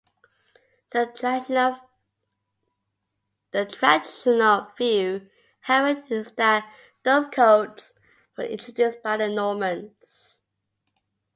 The traditional view, however, is that dovecotes were introduced by the Normans.